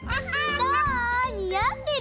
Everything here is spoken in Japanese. どう？にあってる？